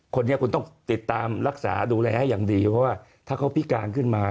คนนี้คุณต้องติดตามรักษาดูแลให้อย่างดีเพราะว่าถ้าเขาพิการขึ้นมา